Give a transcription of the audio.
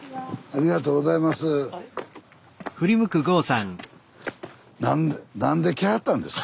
ありがとうございます。